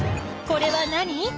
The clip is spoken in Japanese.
これは何？